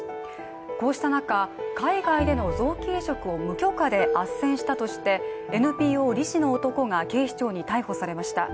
こうした中、海外での臓器移植を無許可であっせんしたとして、ＮＰＯ理事の男が警視庁に逮捕されました。